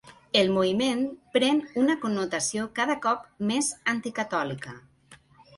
El moviment pren una connotació cada cop més anticatòlica.